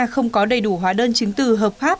không có đầy đủ hóa đơn chứng từ hợp pháp